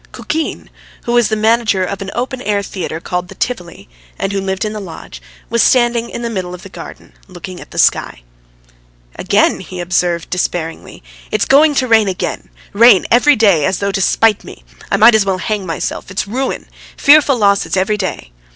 Kukin, who was the manager of an open air theatre called the Tivoli, and who lived in the lodge, was standing in the middle of the garden looking at the sky. "Again!" he observed despairingly. "It's going to rain again! Rain every day, as though to spite me. I might as well hang myself! It's ruin! Fearful losses every day."